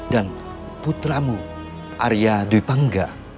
dan putramu arya dwi pangga